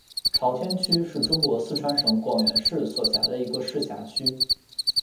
朝天区是中国四川省广元市所辖的一个市辖区。